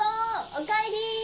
おかえり！